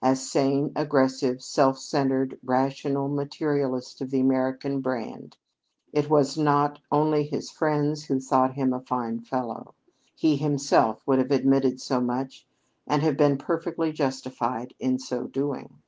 A sane, aggressive, self centered, rational materialist of the American brand, it was not only his friends who thought him a fine fellow. He himself would have admitted so much and have been perfectly justified in so doing.